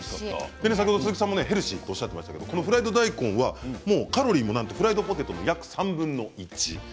先ほど鈴木さんもヘルシーとおっしゃっていましたがフライド大根はカロリーもフライドポテトの約３分の１。